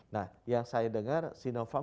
nah yang saya dengar sinovac